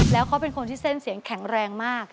แล้วเขาเป็นคนที่เส้นเสียงแข็งแรงมาก